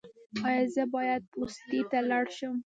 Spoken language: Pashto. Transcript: ایا زه باید پوستې ته لاړ شم؟